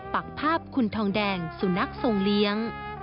ปักภาพคุณทองแดงสุนัขทรงเลี้ยง